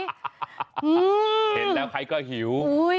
เห็นแล้วใครก็หิว